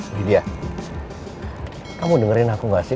lydia kamu dengerin aku gak sih